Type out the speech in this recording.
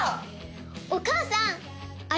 お母さん！